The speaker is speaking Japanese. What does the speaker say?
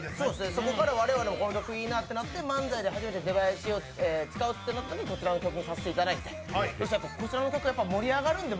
そこから我々もこの曲いいなってなって、漫才で初めて出囃子を使うってなったときにこちらの曲にさせていただいて。